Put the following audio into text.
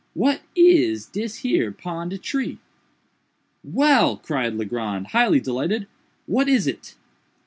what is dis here pon de tree?" "Well!" cried Legrand, highly delighted, "what is it?"